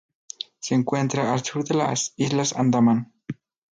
Se encuentra al sur de las Islas Andamán.